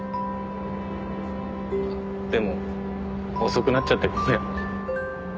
でも遅くなっちゃってごめん。